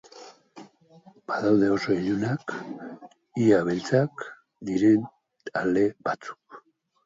Badaude oso ilunak, ia beltzak, diren ale batzuk.